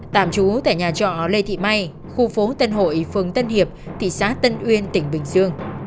tạm trú tại nhà trọ lê thị may khu phố tân hội phường tân hiệp thị xã tân uyên tỉnh bình dương